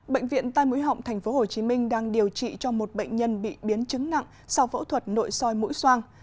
bệnh viện tai mũi họng tp hcm đang điều trị cho một bệnh nhân bị biến chứng nặng sau phẫu thuật nội soi mũi xoang